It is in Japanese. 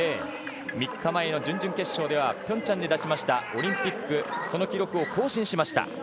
３日前の準々決勝ではピョンチャンで出しましたオリンピックその記録を更新しました。